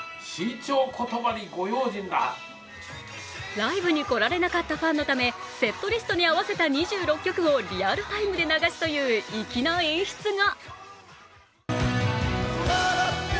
ライブに来られなかったファンのためセットリストに合わせた２６曲をリアルタイムで流すという粋な演出が！